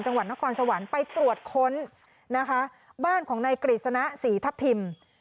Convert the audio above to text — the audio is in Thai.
จังหวัดนครสวรรค์ไปตรวจค้นนะคะบ้านของนายกฤษณะศรีทัพทิม